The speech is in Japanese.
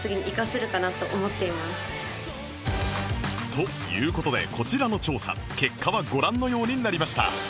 という事でこちらの調査結果はご覧のようになりました